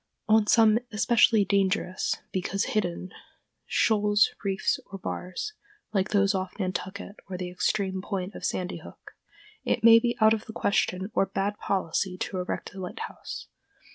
On some especially dangerous—because hidden—shoals, reefs, or bars, like those off Nantucket or the extreme point of Sandy Hook, it may be out of the question or bad policy to erect a lighthouse.